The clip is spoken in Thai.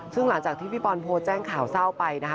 ซึ่งหลังจากที่พี่บอลโพสต์แจ้งข่าวเศร้าไปนะคะ